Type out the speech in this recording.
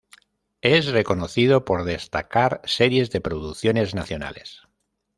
Es reconocido por destacar series de producciones nacionales.